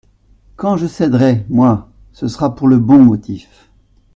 Quand je céderai, moi, ce sera pour le bon motif.